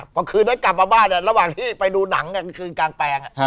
พอคืนนั้นกลับมาบ้านระหว่างที่ไปดูหนังคืนกลางแปลง